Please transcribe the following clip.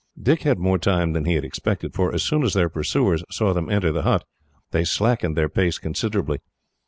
Dick had more time than he had expected, for as soon as their pursuers saw them enter the hut, they slackened their pace considerably.